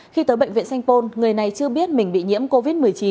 khi tới bệnh viện sanh pôn người này chưa biết mình bị nhiễm covid một mươi chín